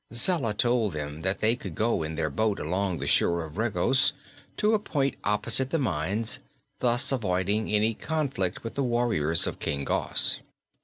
Zella told them that they could go in their boat along the shore of Regos to a point opposite the mines, thus avoiding any conflict with the warriors of King Gos.